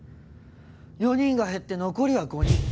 ４人が減って残りは５人。